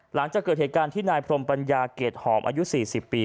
หลังจากเกิดเหตุการณ์ที่นายพรมปัญญาเกรดหอมอายุ๔๐ปี